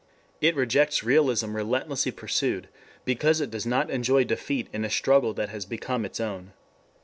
It rejects realism relentlessly pursued because it does not enjoy defeat in a struggle that has become its own.